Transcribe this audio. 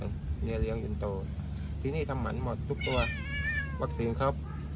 เนี้ยเลี้ยวหนึ่งโตทีนี้ทำมันหมดทุกตัววัคซีอยิงครับ